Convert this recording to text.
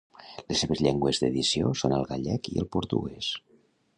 Les seves llengües d'edició són el gallec i el portuguès.